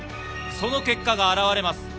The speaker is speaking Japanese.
その結果が現れます。